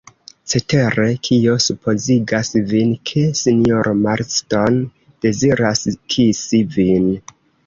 Cetere, kio supozigas vin, ke sinjoro Marston deziras kisi vin?